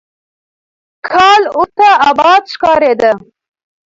کال ورته آباد ښکارېده.